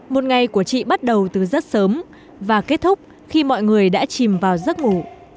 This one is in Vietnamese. một ngày của chị bắt đầu từ rất sớm và kết thúc khi mọi người đã chìm vào giấc ngủ